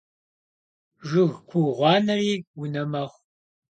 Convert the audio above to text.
Жыг ку гъуанэри унэ мэхъу.